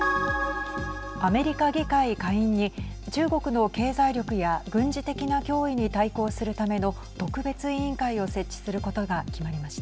アメリカ議会下院に中国の経済力や軍事的な脅威に対抗するための特別委員会を設置することが決まりました。